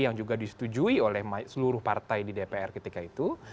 yang juga disetujui oleh seluruh partai di dpr ketika itu